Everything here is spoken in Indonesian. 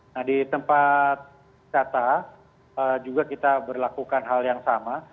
nah di tempat kata juga kita berlakukan hal yang sama